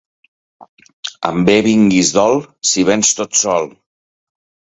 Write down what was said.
En bé vinguis dol, si vens tot sol.